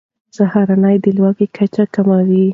سهارنۍ د لوږې کچه کموي.